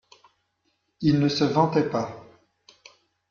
Il ne se vantait pas.